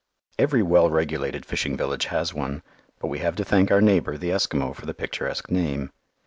Every well regulated fishing village has one, but we have to thank our neighbour, the Eskimo, for the picturesque name.